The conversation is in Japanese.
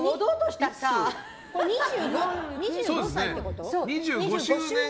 ２５歳ってこと？